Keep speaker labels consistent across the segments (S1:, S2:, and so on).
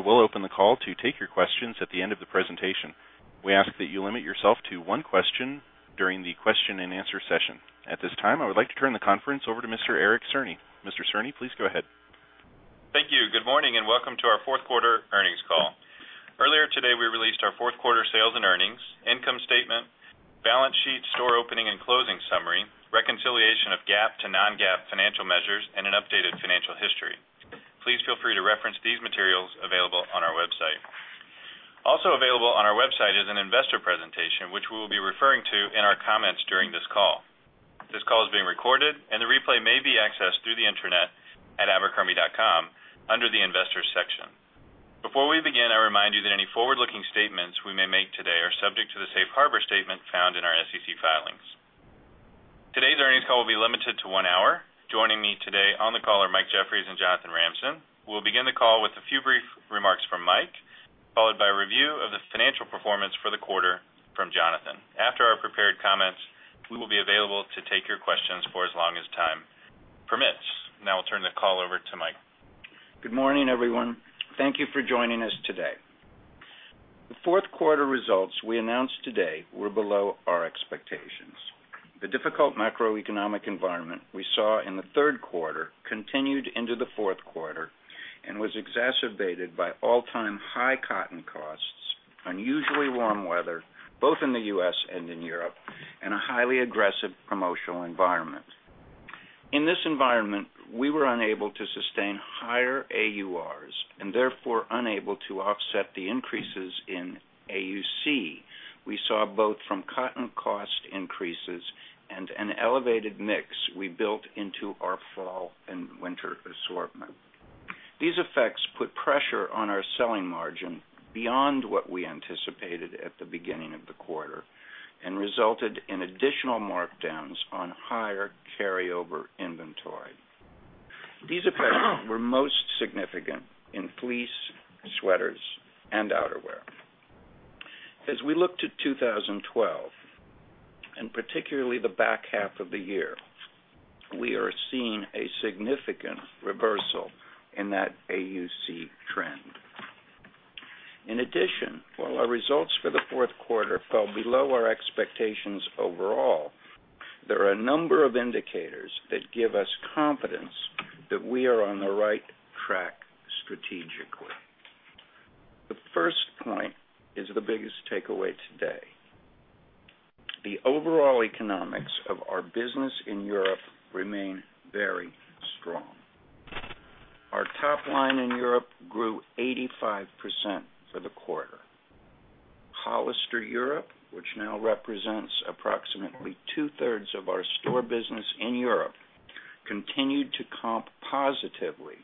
S1: We will open the call to take your questions at the end of the presentation. We ask that you limit yourself to one question during the question and answer session. At this time, I would like to turn the conference over to Mr. Eric Cerny. Mr. Cerny, please go ahead.
S2: Thank you. Good morning and welcome to our fourth quarter earnings call. Earlier today, we released our fourth quarter sales and earnings, income statement, balance sheet, store opening and closing summary, reconciliation of GAAP to non-GAAP financial measures, and an updated financial history. Please feel free to reference these materials available on our website. Also available on our website is an investor presentation, which we will be referring to in our comments during this call. This call is being recorded, and the replay may be accessed through the intranet at abercrombie.com under the investors section. Before we begin, I remind you that any forward-looking statements we may make today are subject to the safe harbor statement found in our SEC filings. Today's earnings call will be limited to one hour. Joining me today on the call are Mike Jeffries and Jonathan Ramsden. We'll begin the call with a few brief remarks from Mike, followed by a review of the financial performance for the quarter from Jonathan. After our prepared comments, we will be available to take your questions for as long as time permits. Now I'll turn the call over to Mike.
S3: Good morning, everyone. Thank you for joining us today. The fourth quarter results we announced today were below our expectations. The difficult macroeconomic environment we saw in the third quarter continued into the fourth quarter and was exacerbated by all-time high cotton costs, unusually warm weather, both in the U.S. and in Europe, and a highly aggressive promotional environment. In this environment, we were unable to sustain higher AURs and therefore unable to offset the increases in AUC we saw both from cotton cost increases and an elevated mix we built into our fall and winter assortment. These effects put pressure on our selling margin beyond what we anticipated at the beginning of the quarter and resulted in additional markdowns on higher carryover inventory. These effects were most significant in fleece, sweaters, and outerwear. As we look to 2012, and particularly the back half of the year, we are seeing a significant reversal in that AUC trend. In addition, while our results for the fourth quarter fell below our expectations overall, there are a number of indicators that give us confidence that we are on the right track strategically. The first point is the biggest takeaway today. The overall economics of our business in Europe remain very strong. Our top line in Europe grew 85% for the quarter. Hollister Europe, which now represents approximately 2/3 of our store business in Europe, continued to comp positively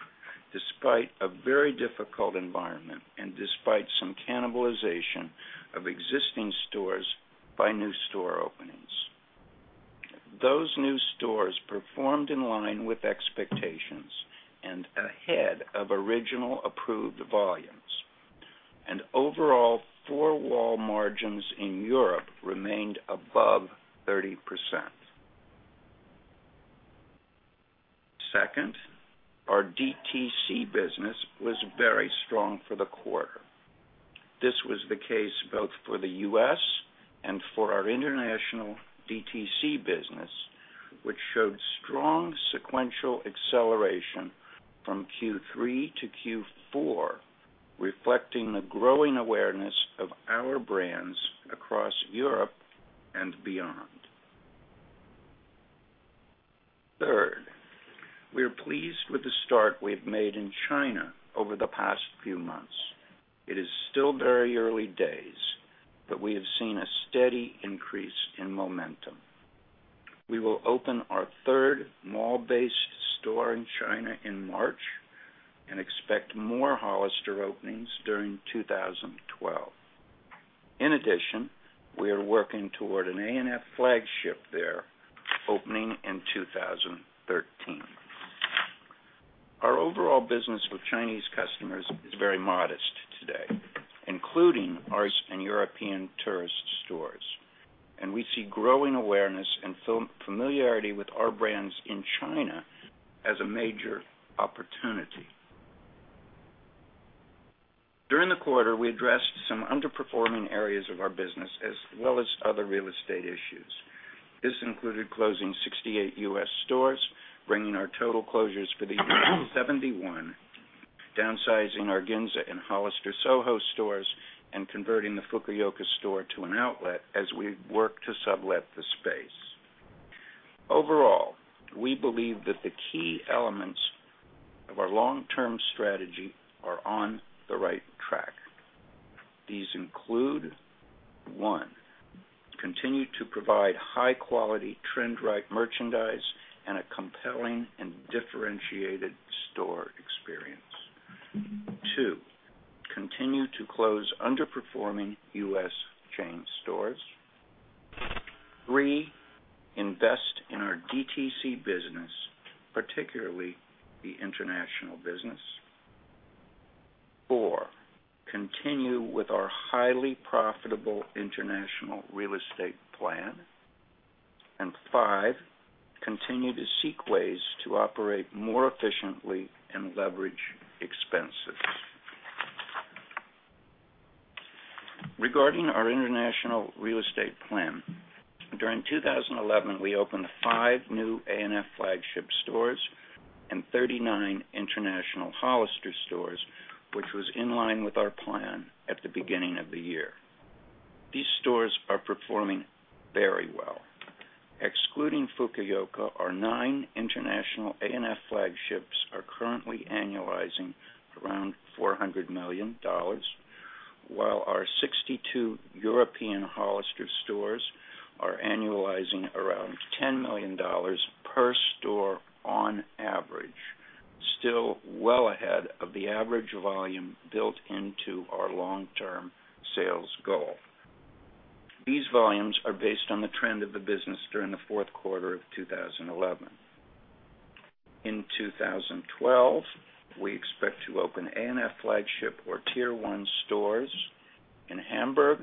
S3: despite a very difficult environment and despite some cannibalization of existing stores by new store openings. Those new stores performed in line with expectations and ahead of original approved volumes, and overall four-wall margins in Europe remained above 30%. Second, our DTC business was very strong for the quarter. This was the case both for the U.S. and for our international DTC business, which showed strong sequential acceleration from Q3 to Q4, reflecting the growing awareness of our brands across Europe and beyond. Third, we are pleased with the start we have made in China over the past few months. It is still very early days, but we have seen a steady increase in momentum. We will open our third mall-based store in China in March and expect more Hollister openings during 2012. In addition, we are working toward an A&F flagship there opening in 2013. Our overall business with Chinese customers is very modest today, including our European tourist stores, and we see growing awareness and familiarity with our brands in China as a major opportunity. During the quarter, we addressed some underperforming areas of our business as well as other real estate issues. This included closing 68 U.S. stores, bringing our total closures to 71, downsizing our Ginza and Hollister SoHo stores, and converting the Fukuoka store to an outlet as we work to sublet the space. Overall, we believe that the key elements of our long-term strategy are on the right track. These include, one, continue to provide high-quality trend-right merchandise and a compelling and differentiated store experience. Two, continue to close underperforming U.S. chain stores. Three, invest in our DTC business, particularly the international business. Four, continue with our highly profitable international real estate plan. Five, continue to seek ways to operate more efficiently and leverage expenses. Regarding our international real estate plan, during 2011, we opened five new A&F flagship stores and 39 international Hollister stores, which was in line with our plan at the beginning of the year. These stores are performing very well. Excluding Fukuoka, our nine international A&F flagships are currently annualizing around $400 million, while our 62 European Hollister stores are annualizing around $10 million per store on average, still well ahead of the average volume built into our long-term sales goal. These volumes are based on the trend of the business during the fourth quarter of 2011. In 2012, we expect to open A&F flagship or tier one stores in Hamburg,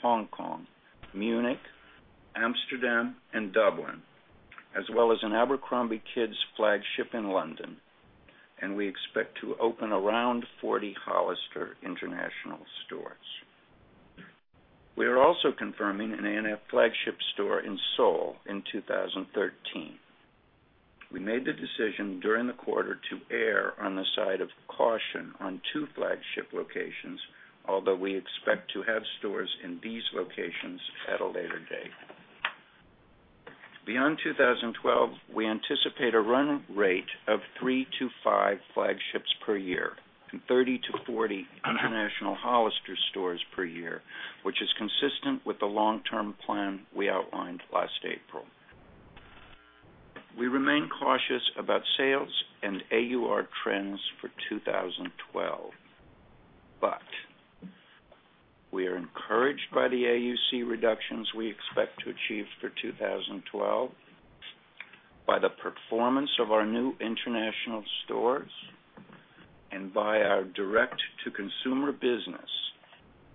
S3: Hong Kong, Munich, Amsterdam, and Dublin, as well as an Abercrombie Kids flagship in London, and we expect to open around 40 Hollister international stores. We are also confirming an A&F flagship store in Seoul in 2013. We made the decision during the quarter to err on the side of caution on two flagship locations, although we expect to have stores in these locations at a later date. Beyond 2012, we anticipate a running rate of three to five flagships per year and 30-40 international Hollister stores per year, which is consistent with the long-term plan we outlined last April. We remain cautious about sales and AUR trends for 2012, but we are encouraged by the AUC reductions we expect to achieve for 2012, by the performance of our new international stores, and by our direct-to-consumer business,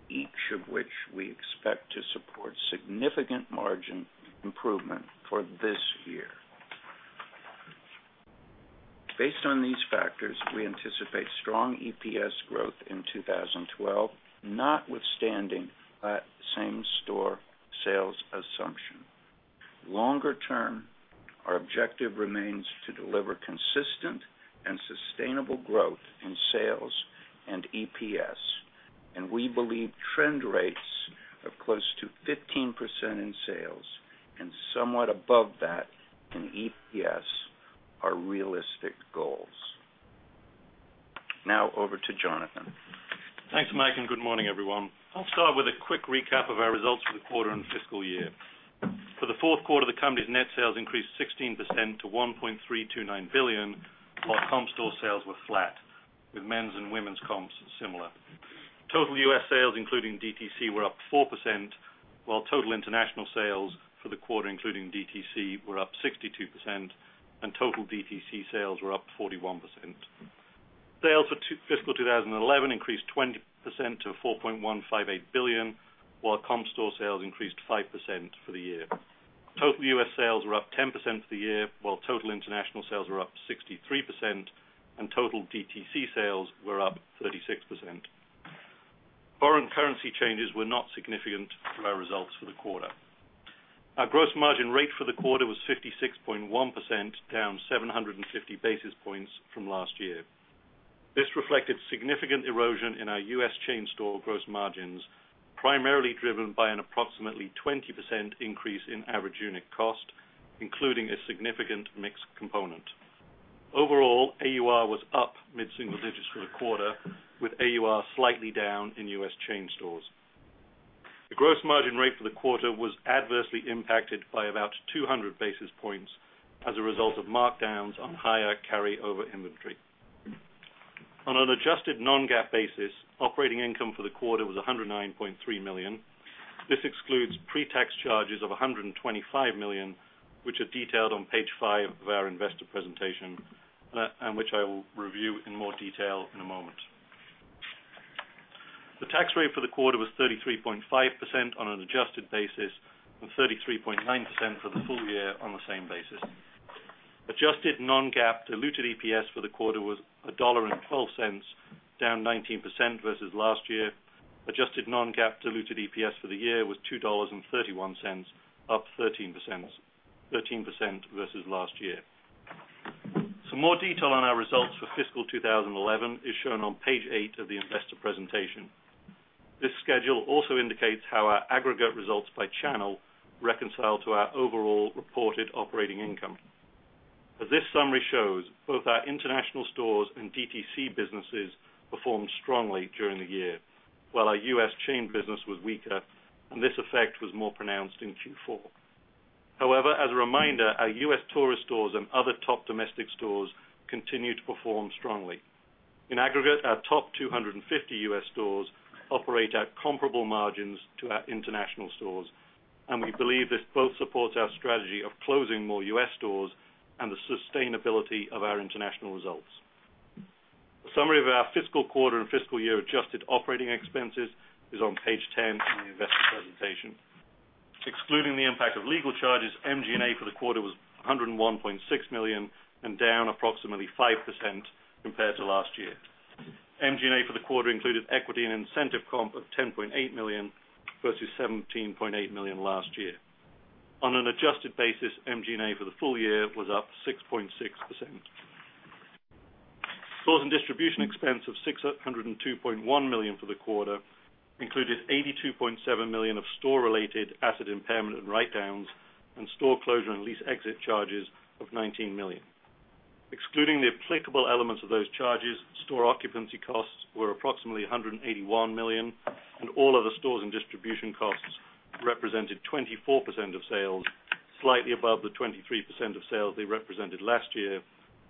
S3: each of which we expect to support significant margin improvement for this year. Based on these factors, we anticipate strong EPS growth in 2012, notwithstanding that same store sales assumption. Longer term, our objective remains to deliver consistent and sustainable growth in sales and EPS, and we believe trend rates of close to 15% in sales and somewhat above that in EPS are realistic goals. Now over to Jonathan.
S4: Thanks, Mike, and good morning, everyone. I'll start with a quick recap of our results for the quarter and fiscal year. For the fourth quarter, the company's net sales increased 16% to $1.329 billion, while comp store sales were flat, with men's and women's comps similar. Total U.S. sales, including DTC, were up 4%, while total international sales for the quarter, including DTC, were up 62%, and total DTC sales were up 41%. Sales for fiscal 2011 increased 20% to $4.158 billion, while comp store sales increased 5% for the year. Total U.S. sales were up 10% for the year, while total international sales were up 63%, and total DTC sales were up 36%. Foreign currency changes were not significant to our results for the quarter. Our gross margin rate for the quarter was 56.1%, down 750 basis points from last year. This reflected significant erosion in our U.S. chain store gross margins, primarily driven by an approximately 20% increase in average unit cost, including a significant mixed component. Overall, AUR was up mid-single digits for the quarter, with AUR slightly down in U.S. chain stores. The gross margin rate for the quarter was adversely impacted by about 200 basis points as a result of markdowns on higher carryover inventory. On an adjusted non-GAAP basis, operating income for the quarter was $109.3 million. This excludes pre-tax charges of $125 million, which are detailed on page five of our investor presentation, and which I will review in more detail in a moment. The tax rate for the quarter was 33.5% on an adjusted basis and 33.9% for the full year on the same basis. Adjusted non-GAAP diluted EPS for the quarter was $1.12, down 19% versus last year. Adjusted non-GAAP diluted EPS for the year was $2.31, up 13% versus last year. Some more detail on our results for fiscal 2011 is shown on page eight of the investor presentation. This schedule also indicates how our aggregate results by channel reconcile to our overall reported operating income. As this summary shows, both our international stores and DTC businesses performed strongly during the year, while our U.S. chain business was weaker, and this effect was more pronounced in Q4. However, as a reminder, our U.S. tourist stores and other top domestic stores continue to perform strongly. In aggregate, our top 250 U.S. stores operate at comparable margins to our international stores, and we believe this both supports our strategy of closing more U.S. stores and the sustainability of our international results. A summary of our fiscal quarter and fiscal year adjusted operating expenses is on page 10 in the investor presentation. Excluding the impact of legal charges, MG&A for the quarter was $101.6 million and down approximately 5% compared to last year. MG&A for the quarter included equity and incentive comp of $10.8 million versus $17.8 million last year. On an adjusted basis, MG&A for the full year was up 6.6%. Sourcing and distribution expense of $602.1 million for the quarter included $82.7 million of store-related asset impairment and write-downs and store closure and lease exit charges of $19 million. Excluding the applicable elements of those charges, store occupancy costs were approximately $181 million, and all other stores and distribution costs represented 24% of sales, slightly above the 23% of sales they represented last year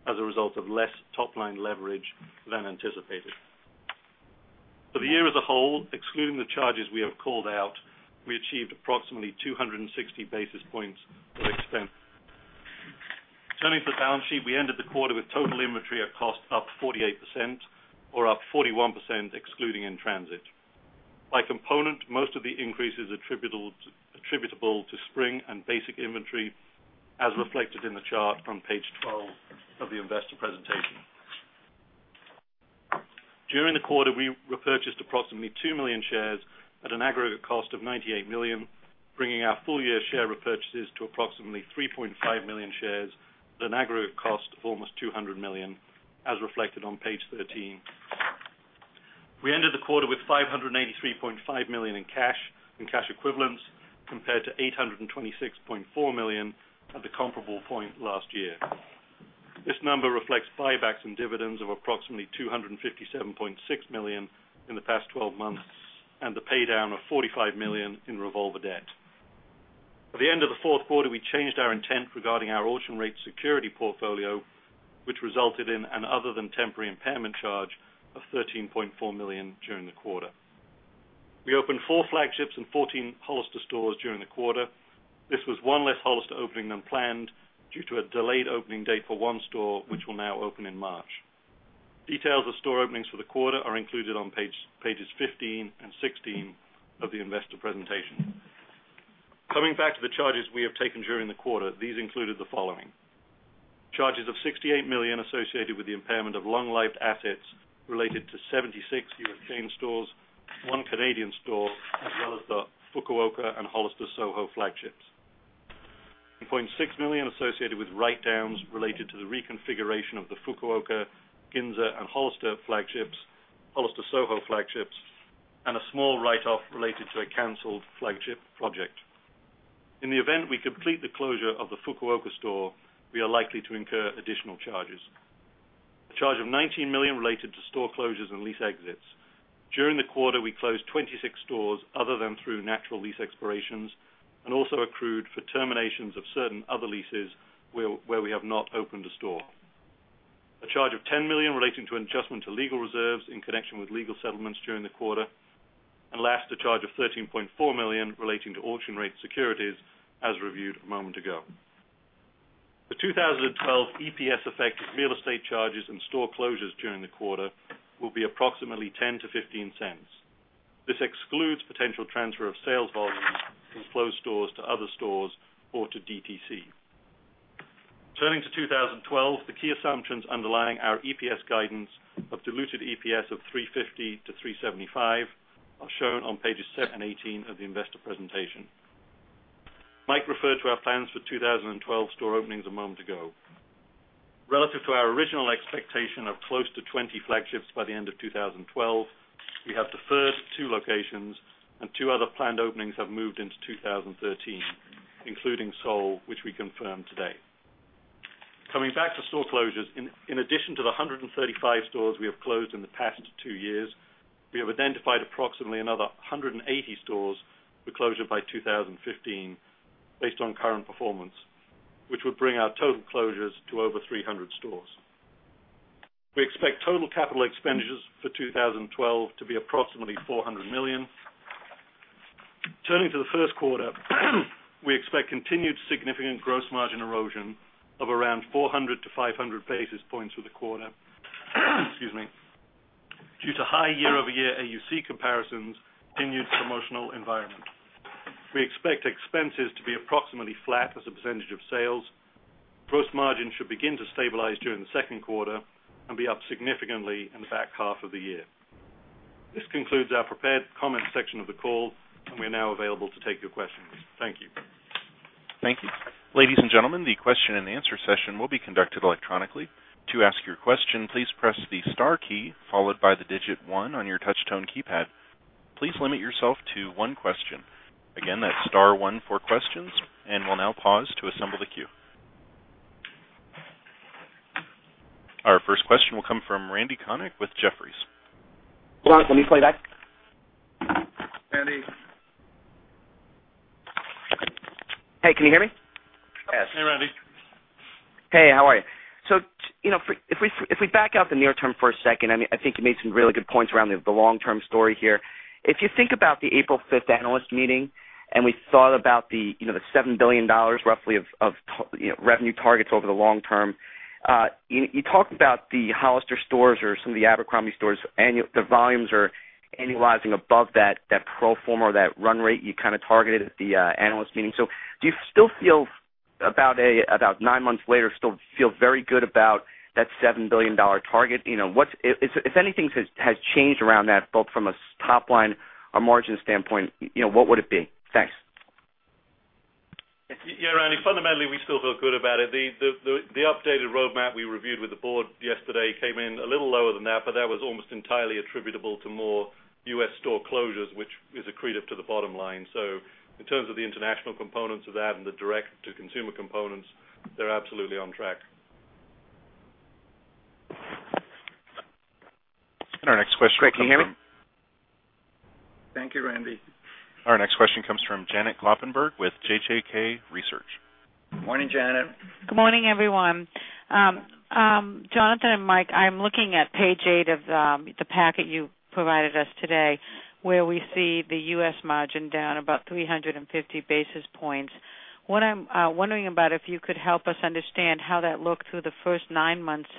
S4: as a result of less top-line leverage than anticipated. For the year as a whole, excluding the charges we have called out, we achieved approximately 260 basis points. Turning to the balance sheet, we ended the quarter with total inventory at cost up 48%, or up 41% excluding in transit. By component, most of the increase is attributable to spring and basic inventory, as reflected in the chart on page 12 of the investor presentation. During the quarter, we repurchased approximately 2 million shares at an aggregate cost of $98 million, bringing our full-year share repurchases to approximately 3.5 million shares at an aggregate cost of almost $200 million, as reflected on page 13. We ended the quarter with $583.5 million in cash and cash equivalents compared to $826.4 million at the comparable point last year. This number reflects buybacks and dividends of approximately $257.6 million in the past 12 months and the paydown of $45 million in revolver debt. At the end of the fourth quarter, we changed our intent regarding our auction rate security portfolio, which resulted in an other than temporary impairment charge of $13.4 million during the quarter. We opened four flagships and 14 Hollister stores during the quarter. This was one less Hollister opening than planned due to a delayed opening date for one store, which will now open in March. Details of store openings for the quarter are included on pages 15 and 16 of the investor presentation. Coming back to the charges we have taken during the quarter, these included the following: charges of $68 million associated with the impairment of long-lived assets related to 76 U.S. chain stores. One Canadian store, as well as the Fukuoka and Hollister SoHo flagships, and $0.6 million associated with write-downs related to the reconfiguration of the Fukuoka, Ginza, and Hollister flagships, Hollister SoHo flagships, and a small write-off related to a canceled flagship project. In the event we complete the closure of the Fukuoka store, we are likely to incur additional charges. A charge of $19 million related to store closures and lease exits. During the quarter, we closed 26 stores other than through natural lease expirations and also accrued for terminations of certain other leases where we have not opened a store. A charge of $10 million relating to an adjustment to legal reserves in connection with legal settlements during the quarter. Last, a charge of $13.4 million relating to auction rate securities, as reviewed a moment ago. The 2012 EPS effect of real estate charges and store closures during the quarter will be approximately $0.10-$0.15. This excludes potential transfer of sales volumes from closed stores to other stores or to DTC. Turning to 2012, the key assumptions underlying our EPS guidance of diluted EPS of $3.50-$3.75 are shown on pages 7 and 18 of the investor presentation. Mike referred to our plans for 2012 store openings a moment ago. Relative to our original expectation of close to 20 flagships by the end of 2012, we have deferred two locations, and two other planned openings have moved into 2013, including Seoul, which we confirmed today. Coming back to store closures, in addition to the 135 stores we have closed in the past two years, we have identified approximately another 180 stores for closure by 2015 based on current performance, which would bring our total closures to over 300 stores. We expect total capital expenditures for 2012 to be approximately $400 million. Turning to the first quarter, we expect continued significant gross margin erosion of around 400-500 basis points for the quarter due to high year-over-year AUC comparisons in a submersional environment. We expect expenses to be approximately flat as a percentage of sales. Gross margins should begin to stabilize during the second quarter and be up significantly in the back half of the year. This concludes our prepared comments section of the call, and we are now available to take your questions. Thank you.
S1: Thank you. Ladies and gentlemen, the question-and-answer session will be conducted electronically. To ask your question, please press the Star key followed by the digit one on your touch-tone keypad. Please limit yourself to one question. Again, that's Star, one for questions, and we'll now pause to assemble the queue. Our first question will come from Randy Konik with Jefferies.
S5: Randy, can you play that. Hey, can you hear me?
S3: Yes.
S4: Hey, Randy.
S5: Hey, how are you? If we back out the near term for a second, I think you made some really good points around the long-term story here. If you think about the April 5th analyst meeting and we thought about the $7 billion roughly of revenue targets over the long term, you talked about the Hollister stores or some of the Abercrombie stores, the volumes are annualizing above that pro forma or that run rate you kind of targeted at the analyst meeting. Do you still feel about nine months later, still feel very good about that $7 billion target? If anything has changed around that, both from a top line or margin standpoint, what would it be? Thanks.
S4: Yeah, Randy, fundamentally, we still feel good about it. The updated roadmap we reviewed with the board yesterday came in a little lower than that, but that was almost entirely attributable to more U.S. store closures, which is accretive to the bottom line. In terms of the international components of that and the direct-to-consumer components, they're absolutely on track.
S1: Our next question.
S4: Thank you, Randy.
S1: Our next question comes from Janet Kloppenburg with JJK Research.
S4: Good morning, Janet.
S6: Good morning, everyone. Jonathan and Mike, I'm looking at page eight of the packet you provided us today, where we see the U.S. margin down about 350 basis points. What I'm wondering about is if you could help us understand how that looked through the first nine months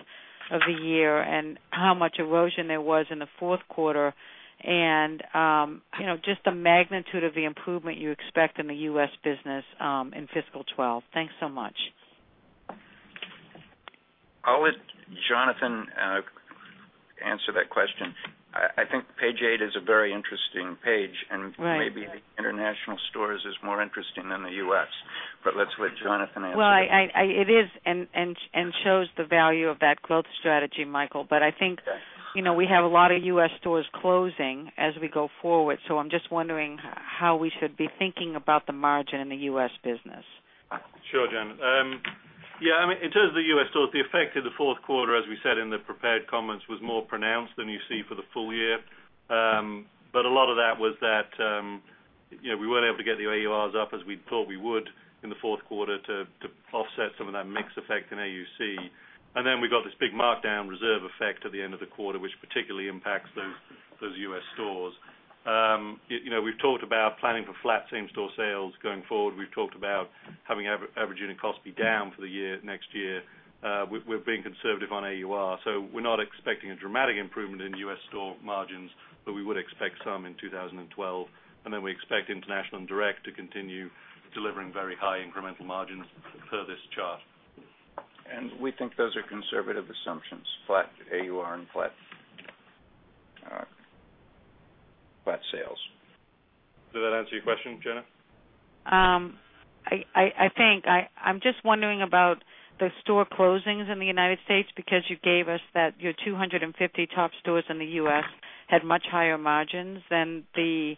S6: of the year and how much erosion there was in the fourth quarter, and just the magnitude of the improvement you expect in the U.S. business in fiscal 2012. Thanks so much.
S3: I'll let Jonathan answer that question. I think page eight is a very interesting page, and maybe the international stores are more interesting than the U.S. Let's let Jonathan answer that.
S6: It is and shows the value of that growth strategy, Michael. I think, you know, we have a lot of U.S. stores closing as we go forward. I'm just wondering how we should be thinking about the margin in the U.S. business.
S4: Sure, Janet. Yeah, I mean, in terms of the U.S. stores, the effect in the fourth quarter, as we said in the prepared comments, was more pronounced than you see for the full year. A lot of that was that we weren't able to get the AURs up as we thought we would in the fourth quarter to offset some of that mix effect in AUC. We got this big markdown reserve effect at the end of the quarter, which particularly impacts those U.S. stores. We've talked about planning for flat comp store sales going forward. We've talked about having average unit costs be down for the year next year. We're being conservative on AUR. We're not expecting a dramatic improvement in U.S. store margins, but we would expect some in 2012. We expect international and direct to continue delivering very high incremental margins per this chart.
S3: We think those are conservative assumptions, flat AUR and flat sales.
S4: Did that answer your question, Janet?
S6: I think I'm just wondering about the store closings in the United States because you gave us that your 250 top stores in the U.S. had much higher margins than the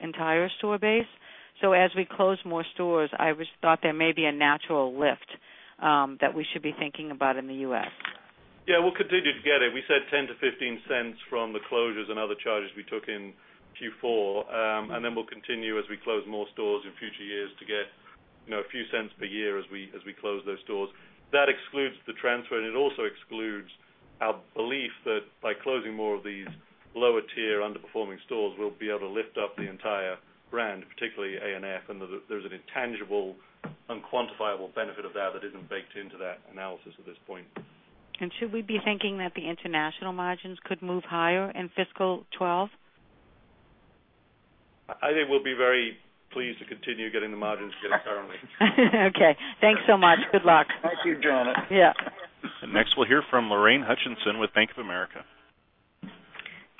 S6: entire store base. As we close more stores, I thought there may be a natural lift that we should be thinking about in the U.S.
S4: Yeah, we'll continue to get it. We said $0.10-$0.15 from the closures and other charges we took in Q4. We'll continue as we close more stores in future years to get, you know, a few cents per year as we close those stores. That excludes the transfer, and it also excludes our belief that by closing more of these lower-tier underperforming stores, we'll be able to lift up the entire brand, particularly A&F. There's an intangible, unquantifiable benefit of that that isn't baked into that analysis at this point.
S6: Should we be thinking that the international margins could move higher in fiscal 2012?
S4: I think we'll be very pleased to continue getting the margins we're getting currently.
S6: Okay, thanks so much. Good luck.
S3: Thank you, Janet.
S6: Yeah.
S1: Next, we'll hear from Lorraine Hutchinson with Bank of America.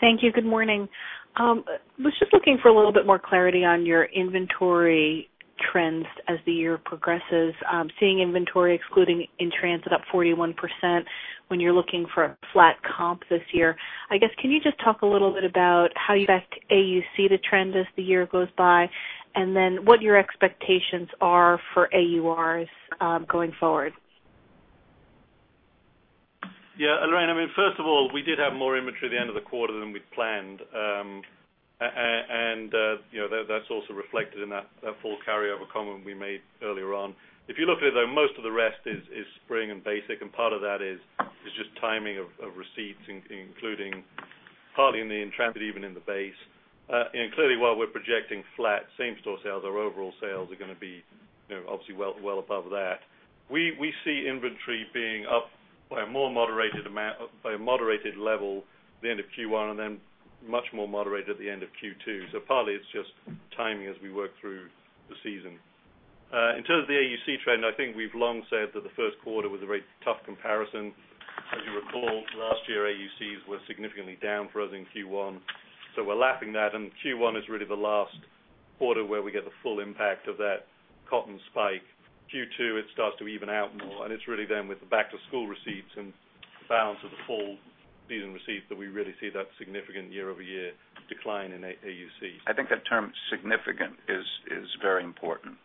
S7: Thank you. Good morning. I was just looking for a little bit more clarity on your inventory trends as the year progresses. I'm seeing inventory excluding in transit up 41% when you're looking for a flat comp this year. I guess, can you just talk a little bit about how you guys AUC the trend as the year goes by, and then what your expectations are for AURs going forward?
S4: Yeah, Lorraine, first of all, we did have more inventory at the end of the quarter than we planned. That's also reflected in that full carryover comment we made earlier on. If you look at it, most of the rest is spring and basic, and part of that is just timing of receipts, including partly in the intrinsic, even in the base. Clearly, while we're projecting flat same-store sales, our overall sales are going to be obviously well above that. We see inventory being up by a more moderated amount, by a moderated level at the end of Q1, and then much more moderated at the end of Q2. Partly, it's just timing as we work through the season. In terms of the AUC trend, I think we've long said that the first quarter was a very tough comparison. As you recall, last year, AUCs were significantly down for us in Q1. We're lapping that, and Q1 is really the last quarter where we get the full impact of that cotton spike. Q2, it starts to even out more, and it's really then with the back-to-school receipts and balance of the fall season receipts that we really see that significant year-over-year decline in AUC.
S3: I think that term significant is very important.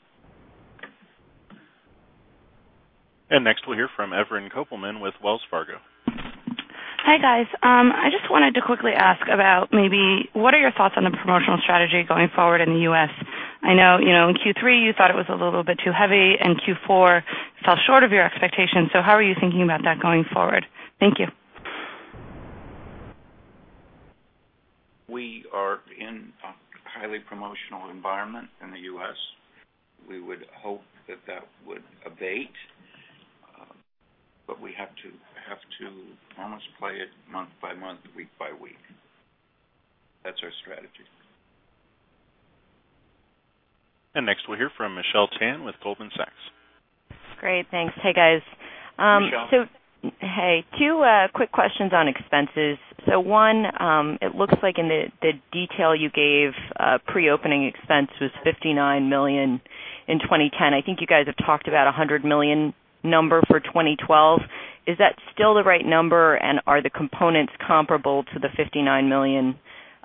S1: Next, we'll hear from Evren Kopelman with Wells Fargo.
S8: Hey, guys. I just wanted to quickly ask about maybe what are your thoughts on the promotional strategy going forward in the U.S.? I know, you know, in Q3, you thought it was a little bit too heavy, and Q4 fell short of your expectations. How are you thinking about that going forward? Thank you.
S3: We are in a highly promotional environment in the U.S. We would hope that would abate. We have to almost play it month by month, week by week. That's our strategy.
S1: Next, we'll hear from Michelle Tan with Goldman Sachs.
S9: Great, thanks. Hey, guys.
S4: Yeah.
S9: Two quick questions on expenses. One, it looks like in the detail you gave, pre-opening expense was $59 million in 2010. I think you guys have talked about a $100 million number for 2012. Is that still the right number, and are the components comparable to the $59 million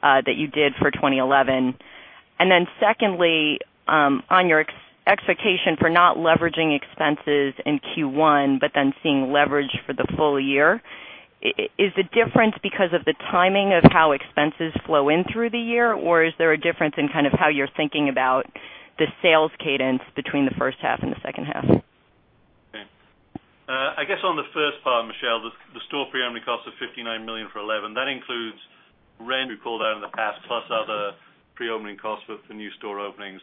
S9: that you did for 2011? Secondly, on your expectation for not leveraging expenses in Q1, but then seeing leverage for the full year, is the difference because of the timing of how expenses flow in through the year, or is there a difference in kind of how you're thinking about the sales cadence between the first half and the second half?
S4: I guess on the first part, Michelle, the store pre-opening costs of $59 million for 2011. That includes rent, we called out in the past, plus other pre-opening costs for new store openings.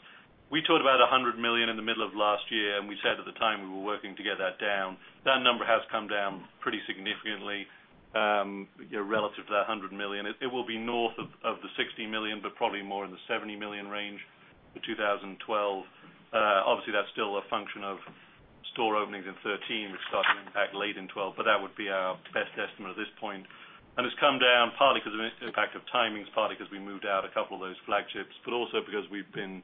S4: We talked about $100 million in the middle of last year, and we said at the time we were working to get that down. That number has come down pretty significantly relative to that $100 million. It will be north of the $60 million, but probably more in the $70 million range for 2012. Obviously, that's still a function of store openings in 2013, which started to impact late in 2012. That would be our best estimate at this point. It's come down partly because of the impact of timings, partly because we moved out a couple of those flagships, but also because we've been,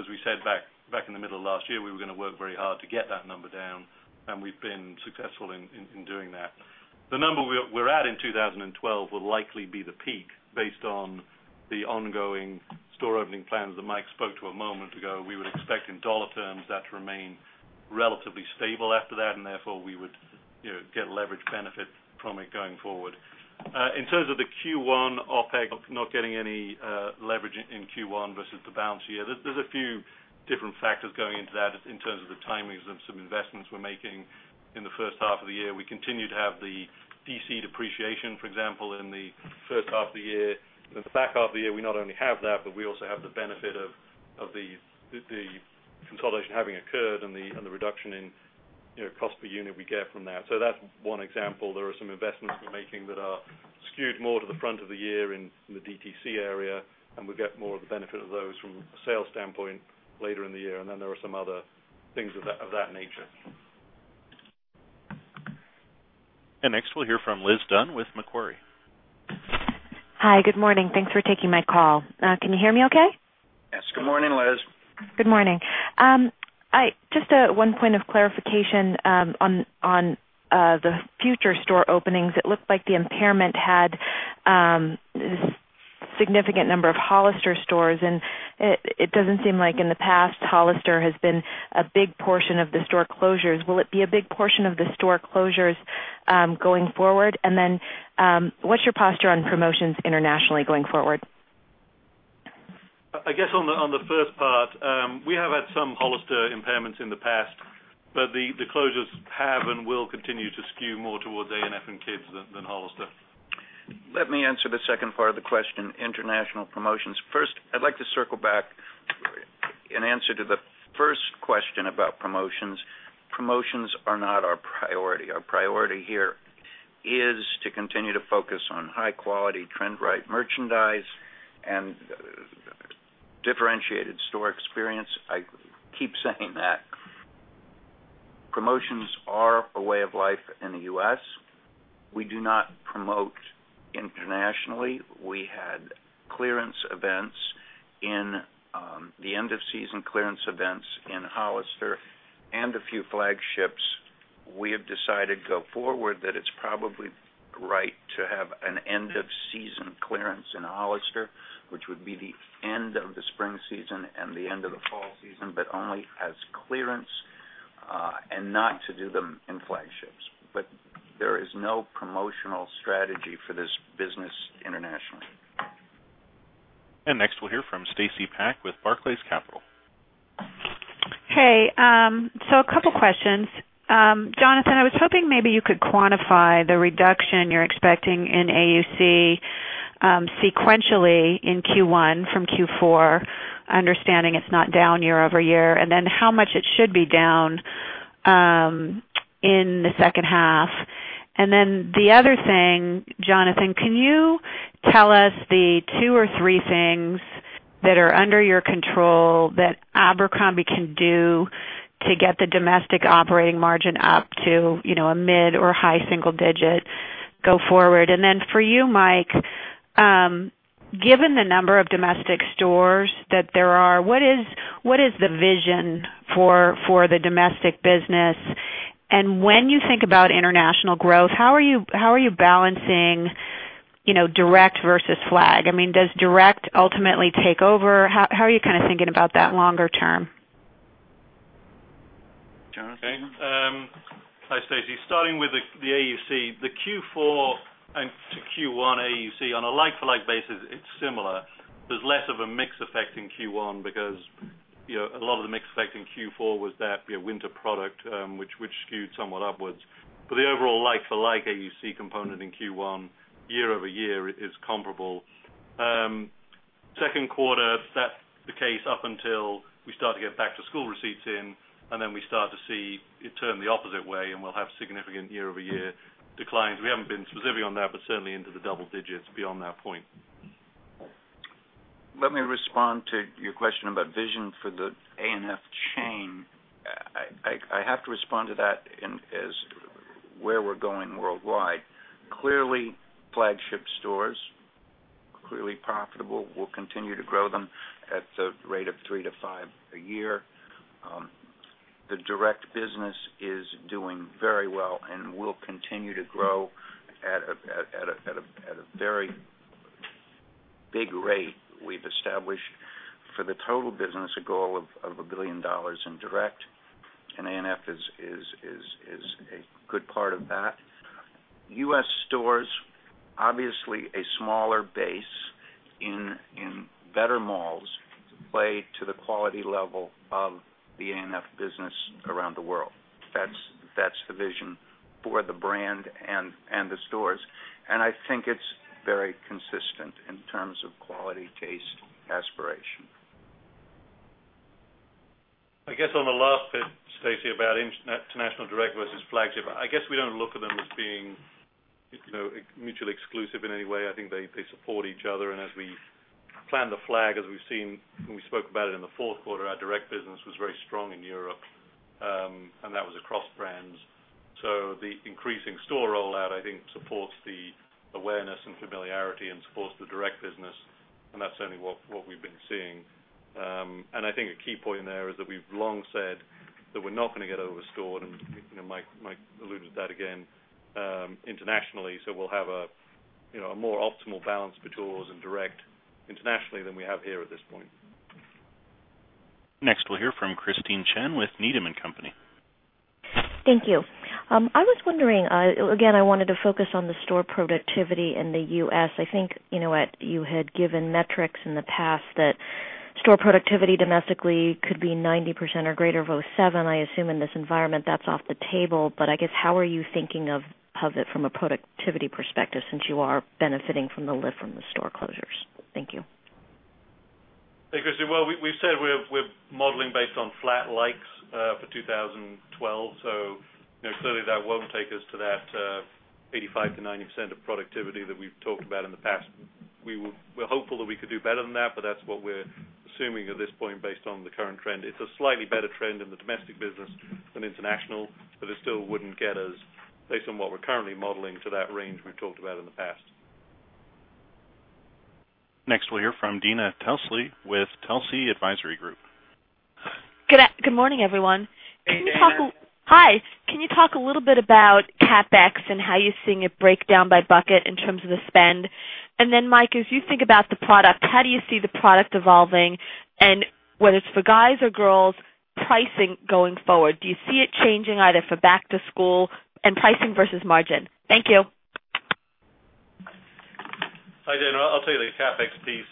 S4: as we said back in the middle of last year, we were going to work very hard to get that number down. We've been successful in doing that. The number we're at in 2012 will likely be the peak based on the ongoing store opening plans that Mike spoke to a moment ago. We would expect in dollar terms that to remain relatively stable after that, and therefore we would get leverage benefits from it going forward. In terms of the Q1 OpEx, not getting any leverage in Q1 versus the balance year, there's a few different factors going into that in terms of the timings of some investments we're making in the first half of the year. We continue to have the DC depreciation, for example, in the first half of the year. In the back half of the year, we not only have that, but we also have the benefit of the consolidation having occurred and the reduction in cost per unit we get from that. That's one example. There are some investments we're making that are skewed more to the front of the year in the DTC area, and we get more of the benefit of those from a sales standpoint later in the year. There are some other things of that nature.
S1: Next, we'll hear from Liz Dunn with Macquarie.
S10: Hi, good morning. Thanks for taking my call. Can you hear me okay?
S3: Yes, good morning, Liz.
S10: Good morning. Just one point of clarification on the future store openings. It looked like the impairment had a significant number of Hollister stores, and it doesn't seem like in the past Hollister has been a big portion of the store closures. Will it be a big portion of the store closures going forward? What's your posture on promotions internationally going forward?
S4: I guess on the first part, we have had some Hollister impairments in the past, but the closures have and will continue to skew more towards A&F and Kids than Hollister.
S3: Let me answer the second part of the question, international promotions. First, I'd like to circle back and answer the first question about promotions. Promotions are not our priority. Our priority here is to continue to focus on high-quality, trend-right merchandise and differentiated store experience. I keep saying that. Promotions are a way of life in the U.S. We do not promote internationally. We had clearance events in the end-of-season clearance events in Hollister and a few flagships. We have decided going forward that it's probably right to have an end-of-season clearance in Hollister, which would be the end of the spring season and the end of the fall season, only as clearance and not to do them in flagships. There is no promotional strategy for this business internationally.
S1: Next, we'll hear from Stacy Pak with Barclays Capital.
S11: Hey, a couple of questions. Jonathan, I was hoping maybe you could quantify the reduction you're expecting in AUC sequentially in Q1 from Q4, understanding it's not down year over year, and then how much it should be down in the second half. Jonathan, can you tell us the two or three things that are under your control that Abercrombie can do to get the domestic operating margin up to, you know, a mid or high single digit go forward? For you, Mike, given the number of domestic stores that there are, what is the vision for the domestic business? When you think about international growth, how are you balancing, you know, direct versus flag? I mean, does direct ultimately take over? How are you kind of thinking about that longer term?
S3: Jonathan?
S4: Hi, Stacy. Starting with the AUC, the Q4 and Q1 AUC on a like-for-like basis, it's similar. There's less of a mix effect in Q1 because, you know, a lot of the mix effect in Q4 was that winter product, which skewed somewhat upwards. The overall like-for-like AUC component in Q1 year- over-year is comparable. Second quarter, that's the case up until we start to get back-to-school receipts in, and then we start to see it turn the opposite way, and we'll have significant year-over-year declines. We haven't been specific on that, but certainly into the double digits beyond that point.
S3: Let me respond to your question about vision for the A&F chain. I have to respond to that as where we're going worldwide. Clearly, flagship stores are clearly profitable. We'll continue to grow them at the rate of three to five a year. The direct business is doing very well, and we'll continue to grow at a very big rate. We've established for the total business a goal of $1 billion in direct, and A&F is a good part of that. U.S. stores, obviously a smaller base in better malls, play to the quality level of the A&F business around the world. That's the vision for the brand and the stores. I think it's very consistent in terms of quality, taste, aspiration.
S4: I guess on the last bit, Stacy about international direct versus flagship, I guess we don't look at them as being, you know, mutually exclusive in any way. I think they support each other. As we planned the flag, as we've seen, when we spoke about it in the fourth quarter, our direct business was very strong in Europe, and that was across brands. The increasing store rollout, I think, supports the awareness and familiarity and supports the direct business, and that's certainly what we've been seeing. I think a key point in there is that we've long said that we're not going to get overstored, and Mike alluded to that again, internationally. We'll have a more optimal balance between and direct internationally than we have here at this point.
S1: Next, we'll hear from Christine Chen with Needham & Company.
S12: Thank you. I was wondering, again, I wanted to focus on the store productivity in the U.S. I think you know you had given metrics in the past that store productivity domestically could be 90% or greater of $0.7. I assume in this environment that's off the table. I guess how are you thinking of it from a productivity perspective since you are benefiting from the lift from the store closures? Thank you.
S4: Hey, Christine. We've said we're modeling based on flat likes for 2012. Certainly, that won't take us to that 85%-90% of productivity that we've talked about in the past. We're hopeful that we could do better than that, but that's what we're assuming at this point based on the current trend. It's a slightly better trend in the domestic business than international, but it still wouldn't get us, based on what we're currently modeling, to that range we've talked about in the past.
S1: Next, we'll hear from Dana Telsey with Telsey Advisory Group.
S13: Good morning, everyone. Can you talk a little bit about CapEx and how you're seeing it break down by bucket in terms of the spend? Mike, as you think about the product, how do you see the product evolving and whether it's for guys or girls, pricing going forward? Do you see it changing either for back-to-school and pricing versus margin? Thank you.
S4: Hi Dana. I'll tell you the CapEx piece.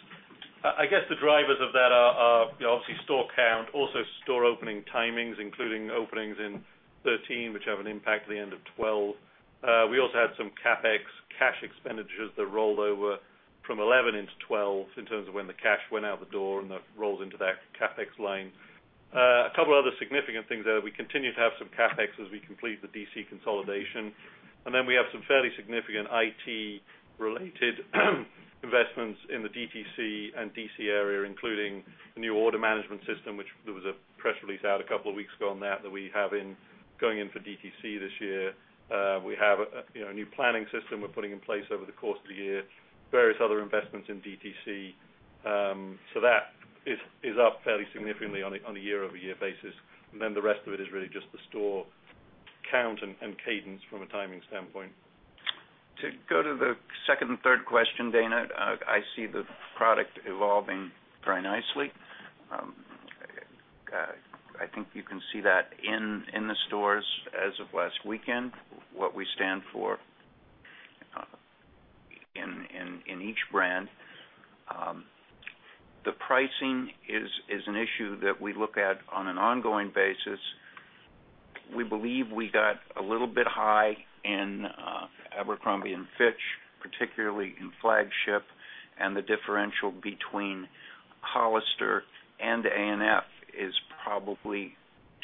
S4: I guess the drivers of that are, you know, obviously store count, also store opening timings, including openings in 2013, which have an impact at the end of 2012. We also had some CapEx cash expenditures that rolled over from 2011 into 2012 in terms of when the cash went out the door and the rolls into that CapEx line. A couple of other significant things there. We continue to have some CapEx as we complete the DC consolidation. We have some fairly significant IT-related investments in the DTC and DC area, including a new order management system, which there was a press release out a couple of weeks ago on that that we have going in for DTC this year. We have a new planning system we're putting in place over the course of the year, various other investments in DTC. That is up fairly significantly on a year-over-year basis. The rest of it is really just the store count and cadence from a timing standpoint.
S3: To go to the second and third question, Dana, I see the product evolving very nicely. I think you can see that in the stores as of last weekend, what we stand for in each brand. The pricing is an issue that we look at on an ongoing basis. We believe we got a little bit high in Abercrombie & Fitch, particularly in flagship, and the differential between Hollister and A&F is probably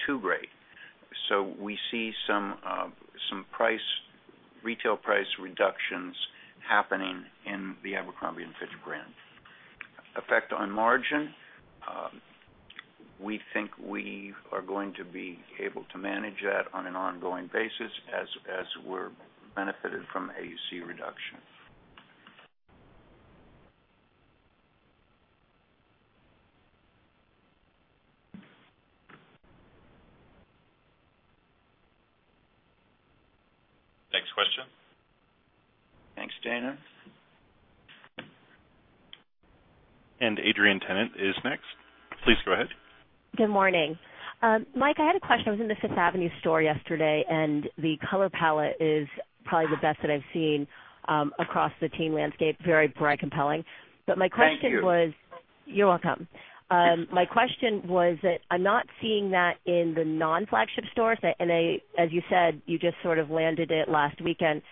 S3: too great. We see some retail price reductions happening in the Abercrombie & Fitch brand. Effect on margin, we think we are going to be able to manage that on an ongoing basis as we're benefited from AUC reduction. Next question. Thanks, Dana.
S1: Adrienne Tennant is next. Please go ahead.
S14: Good morning. Mike, I had a question. I was in the Fifth Avenue store yesterday, and the color palette is probably the best that I've seen across the teen landscape, very bright, compelling. My question was.
S4: Thank you.
S14: You're welcome. My question was that I'm not seeing that in the non-flagship stores. As you said, you just sort of landed it last weekend.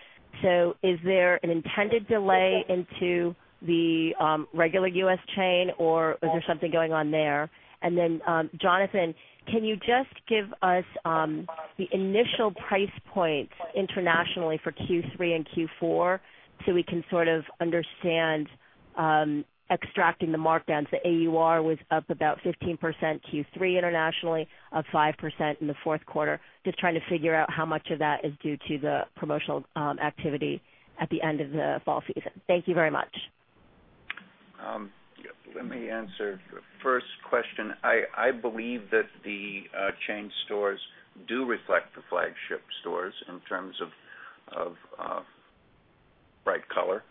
S14: Is there an intended delay into the regular U.S. chain, or is there something going on there? Jonathan, can you just give us the initial price points internationally for Q3 and Q4 so we can sort of understand extracting the markdowns? The AUR was up about 15% Q3 internationally, up 5% in the fourth quarter. Just trying to figure out how much of that is due to the promotional activity at the end of the ball season. Thank you very much.
S3: Let me answer the first question. I believe that the chain stores do reflect the flagship stores in terms of bright color.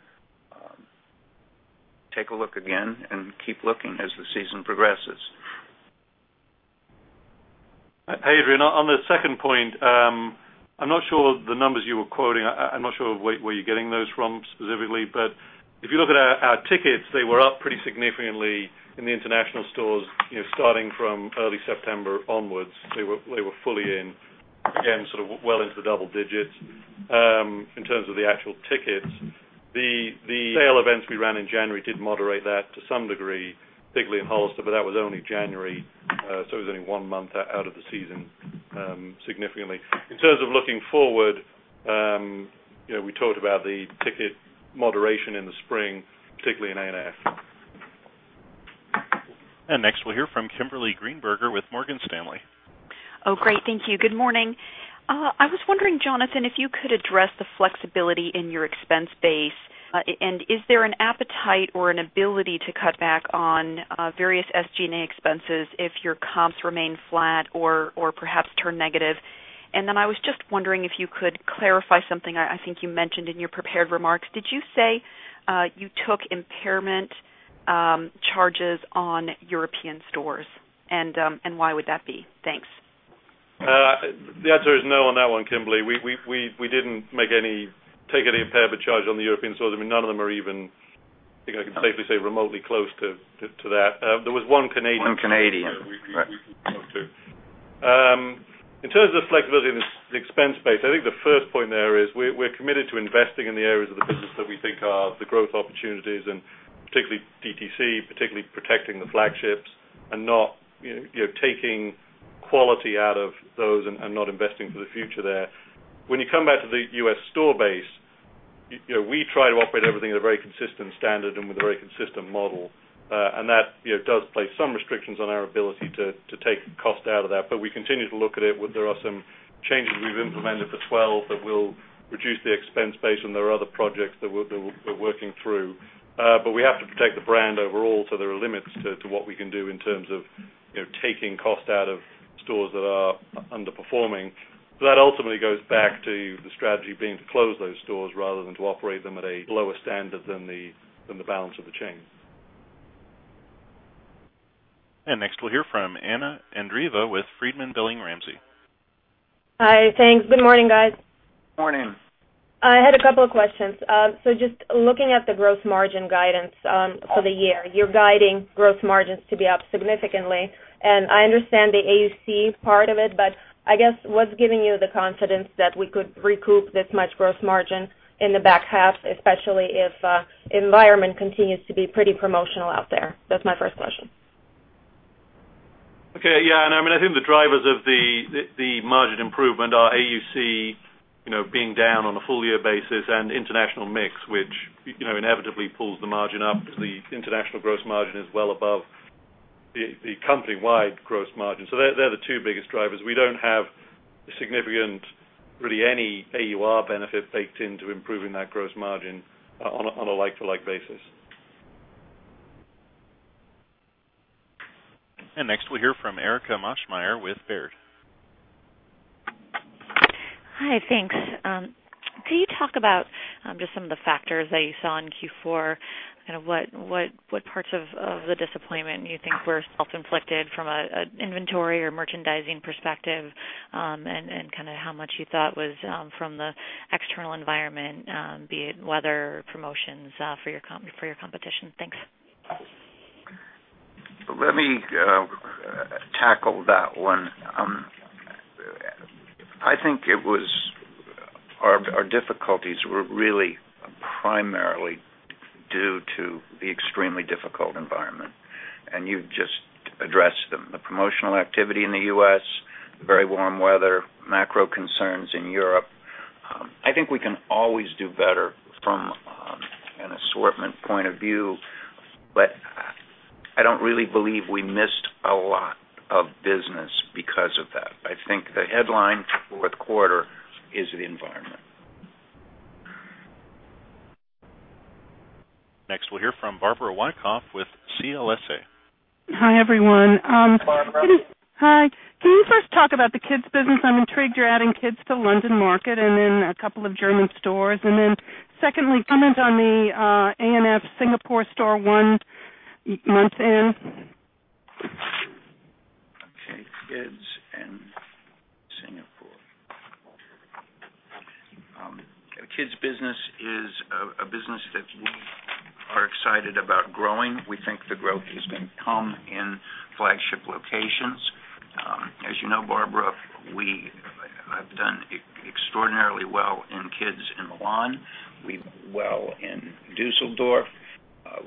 S3: Take a look again and keep looking as the season progresses.
S4: Hey, Adriana. On the second point, I'm not sure the numbers you were quoting, I'm not sure where you're getting those from specifically, but if you look at our tickets, they were up pretty significantly in the international stores, starting from early September onwards. They were fully in, again, sort of well into the double digits. In terms of the actual tickets, the sale events we ran in January did moderate that to some degree, particularly in Hollister, but that was only January. It was only one month out of the season significantly. In terms of looking forward, we talked about the ticket moderation in the spring, particularly in A&F.
S1: Next, we'll hear from Kimberly Greenberger with Morgan Stanley.
S15: Oh, great. Thank you. Good morning. I was wondering, Jonathan, if you could address the flexibility in your expense base, and is there an appetite or an ability to cut back on various SG&A expenses if your comps remain flat or perhaps turn negative? I was just wondering if you could clarify something I think you mentioned in your prepared remarks. Did you say you took impairment charges on European stores? Why would that be? Thanks.
S4: The answer is no on that one, Kimberly. We didn't take any impairment charge on the European stores. None of them are even, I think I can safely say, remotely close to that. There was one Canadian.
S3: Some Canadian.
S4: That we can talk to. In terms of flexibility in the expense base, I think the first point there is we're committed to investing in the areas of the business that we think are the growth opportunities, particularly DTC, particularly protecting the flagships, and not taking quality out of those and not investing for the future there. When you come back to the U.S. store base, we try to operate everything at a very consistent standard and with a very consistent model. That does place some restrictions on our ability to take cost out of that, but we continue to look at it. There are some changes we've implemented for 2012 that will reduce the expense base, and there are other projects that we're working through. We have to protect the brand overall, so there are limits to what we can do in terms of taking cost out of stores that are underperforming. That ultimately goes back to the strategy being to close those stores rather than to operate them at a lower standard than the balance of the chains.
S1: Next, we'll hear from Anna Andreeva with Friedman, Billings, Ramsey.
S16: Hi, thanks. Good morning, guys.
S4: Morning.
S16: I had a couple of questions. Just looking at the gross margin guidance for the year, you're guiding gross margins to be up significantly. I understand the AUC part of it, but I guess what's giving you the confidence that we could recoup this much gross margin in the back half, especially if the environment continues to be pretty promotional out there? That's my first question.
S4: Okay, yeah. I think the drivers of the margin improvement are AUC, you know, being down on a full-year basis and international mix, which, you know, inevitably pulls the margin up. The international gross margin is well above the company-wide gross margin. They're the two biggest drivers. We don't have a significant, really, any AUR benefit baked into improving that gross margin on a like-to-like basis.
S1: Next, we'll hear from Erika Maschmeyer with Baird.
S17: Hi, thanks. Could you talk about just some of the factors that you saw in Q4? Kind of what parts of the disappointment you think were self-inflicted from an inventory or merchandising perspective, and how much you thought was from the external environment, be it weather or promotions for your competition? Thanks.
S3: Let me tackle that one. I think it was our difficulties were really primarily due to the extremely difficult environment. You just addressed the promotional activity in the U.S., the very warm weather, macro concerns in Europe. I think we can always do better from an assortment point of view, but I don't really believe we missed a lot of business because of that. I think the headline for the fourth quarter is the environment.
S1: Next, we'll hear from Barbara Wyckoff with CLSA.
S18: Hi, everyone. Hi. Can you first talk about the kids' business? I'm intrigued you're adding kids to London Market and then a couple of German stores. Secondly, comment on the A&F Singapore store one month in.
S3: Kids' business is a business that we are excited about growing. We think the growth is going to come in flagship locations. As you know, Barbara, we have done extraordinarily well in kids in Milan. We've done well in Düsseldorf.